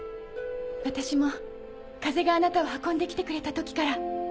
私も風があなたを運んで来てくれた時から。